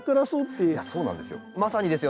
いやそうなんですよ。